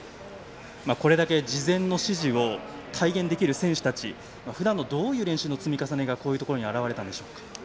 これだけ事前の指示を体現できる選手たち、ふだんのどういう練習の積み重ねがこういうところに表れたんでしょうか？